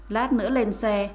lát nữa lên xe